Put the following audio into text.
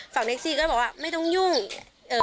ฝั่งเท็กซี่ก็เลยบอกว่าไม่ต้องยุ่งเออนี้